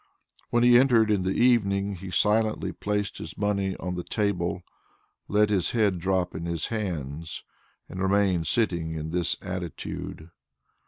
When he entered in the evening he silently placed his money on the table, let his head drop in his hands, and remained sitting in this attitude.